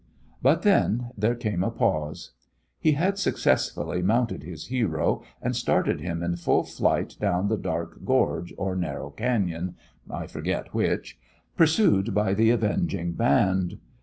But then there came a pause. He had successfully mounted his hero, and started him in full flight down the dark gorge or narrow cañon I forget which pursued by the avenging band.